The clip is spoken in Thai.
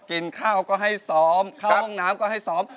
กินข้าวก็ให้ซ้อมเข้าห้องน้ำก็ให้ซ้อม